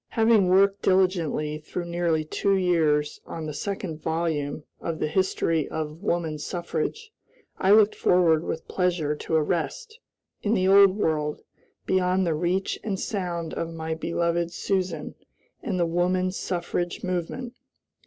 Having worked diligently through nearly two years on the second volume of "The History of Woman Suffrage," I looked forward with pleasure to a rest, in the Old World, beyond the reach and sound of my beloved Susan and the woman suffrage movement.